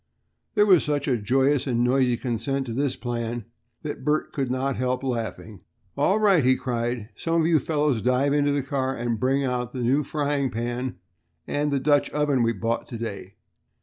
There was such a joyous and noisy consent to this plan that Bert could not help laughing. "All right," he cried, "some of you fellows dive into the car and bring out the new frying pan and the Dutch oven we bought to day.